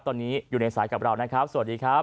ตอนนี้อยู่ในสายกับเรานะครับสวัสดีครับ